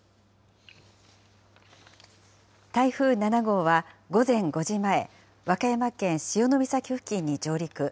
台風７号は午前５時前、和歌山県潮岬付近に上陸。